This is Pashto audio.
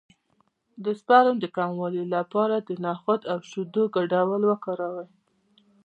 د سپرم د کموالي لپاره د نخود او شیدو ګډول وکاروئ